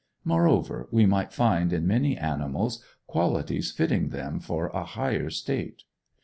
Moreover, we might find in many animals qualities fitting them for a higher state.